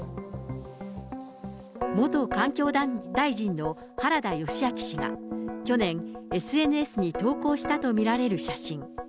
元環境大臣の原田義昭氏が、去年、ＳＮＳに投稿したと見られる写真。